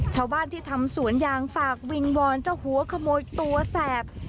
ชาวบ้านที่ทำสวนยางฝากวิงวอนเจ้าหัวขโมยตัวแสบ